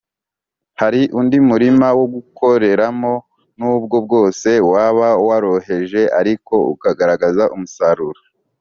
. Hari undi murima wo gukoreramo, n’ubwo bwose waba woroheje, ariko ugaragaza umusaruro